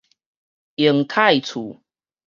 榮泰厝